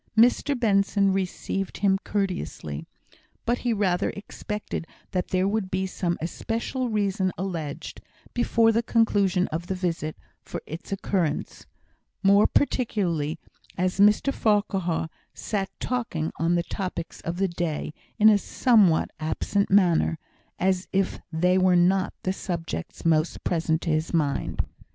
Mr Benson received him courteously, but he rather expected that there would be some especial reason alleged, before the conclusion of the visit, for its occurrence; more particularly as Mr Farquhar sat talking on the topics of the day in a somewhat absent manner, as if they were not the subjects most present to his mind.